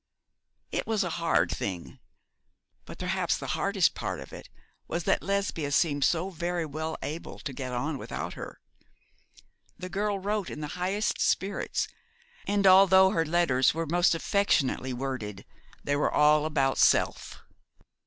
It was a hard thing; but perhaps the hardest part of it was that Lesbia seemed so very well able to get on without her. The girl wrote in the highest spirits; and although her letters were most affectionately worded, they were all about self.